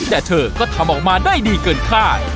แต่เธอก็ทำออกมาได้ดีเกินคาด